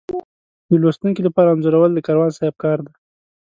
د لوستونکي لپاره انځورول د کاروان صاحب کار دی.